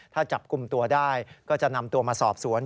ถ้าจับกลุ่มตัวได้ก็จะนำตัวมาสอบสวน